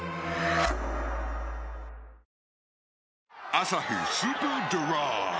「アサヒスーパードライ」